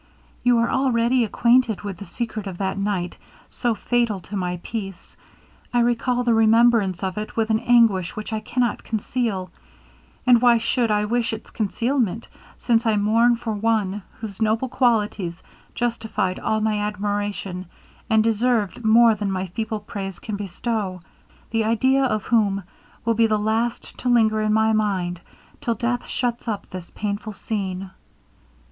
'You are already acquainted with the secret of that night, so fatal to my peace. I recall the remembrance of it with an anguish which I cannot conceal; and why should I wish its concealment, since I mourn for one, whose noble qualities justified all my admiration, and deserved more than my feeble praise can bestow; the idea of whom will be the last to linger in my mind till death shuts up this painful scene.'